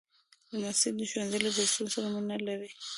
لمسی د ښوونځي له درسونو سره مینه لري.